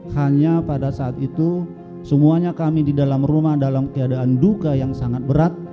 hanya pada saat itu semuanya kami di dalam rumah dalam keadaan duka yang sangat berat